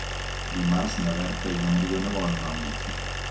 Dimarts na Berta i na Mariona volen anar al metge.